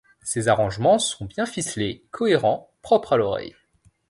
Ses arrangements sont bien ficelés, cohérents, propres à l'oreille.